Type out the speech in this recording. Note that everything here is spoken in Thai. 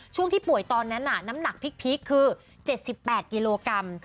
ช่วงที่ป่วยตอนนั้นน้ำหนักพริกคือ๗๘กิโลกรัม